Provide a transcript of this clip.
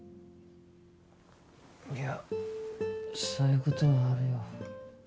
いやそういうことはあるよ